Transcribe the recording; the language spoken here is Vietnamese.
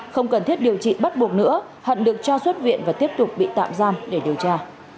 không cần thiết điều trị bắt buộc nữa hận được cho xuất viện và tiếp tục bị tạm giam để điều tra